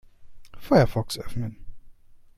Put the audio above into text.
Firefox öffnen.